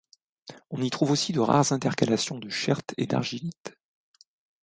On y trouve aussi de rares intercalations de chert et d'argilite.